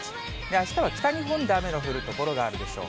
あしたは北日本で雨の降る所があるでしょう。